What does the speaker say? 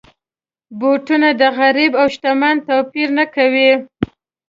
بوټونه د غریب او شتمن توپیر نه کوي.